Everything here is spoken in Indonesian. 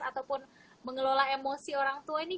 ataupun mengelola emosi orang tua ini